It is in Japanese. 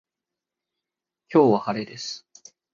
今日は晴れです